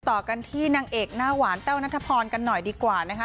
ต่อกันที่นางเอกหน้าหวานแต้วนัทพรกันหน่อยดีกว่านะคะ